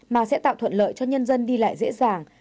mà sẽ tạo thuận lợi cho nhân dân đi lại dễ dàng